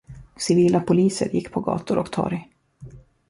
Civila poliser gick på gator och torg.